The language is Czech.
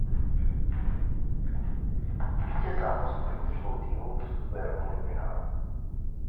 Vítěz zápasu prvních dvou týmů postupuje rovnou do finále.